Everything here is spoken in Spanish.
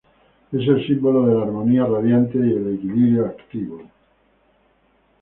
Es el símbolo de la armonía radiante y el equilibrio activo.